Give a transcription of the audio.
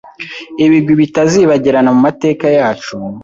ibigwi bitazibagirana mumateka yacu